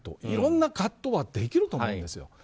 いろんな葛藤はできると思うんですよ。